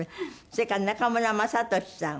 それから中村雅俊さん。